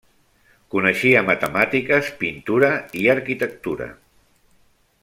Coneixia matemàtiques, pintura i arquitectura.